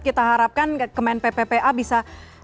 kita harapkan kemen ppp a bisa